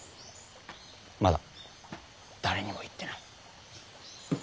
まだ誰にも言ってない。